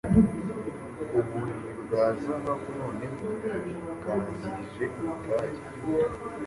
uburiri bwa zahabuNoneho bwangije ubutayu